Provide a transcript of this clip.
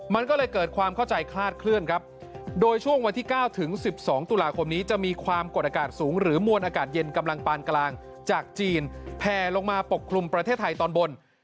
มันก็เลยเกิดความเข้าใจคลาดเคลื่อนครับโดยช่วงวันที่๙ถึง๑๒ตุลาคมนี้จะมีความกดอากาศสูงหรือมวลอากาศเย็นกำลังปานกลางจากจีนแพลลงมาปกคลุมประเทศไทยตอนบน